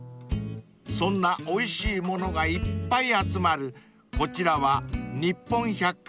［そんなおいしいものがいっぱい集まるこちらは］